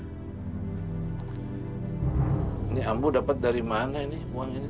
ini ambo dapet dari mana ini uang ini